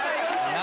何？